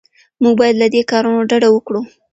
موږ باید له دې کارونو ډډه وکړو.